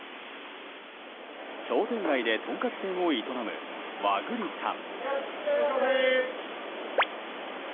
商店街でトンカツ店を営む和栗さん。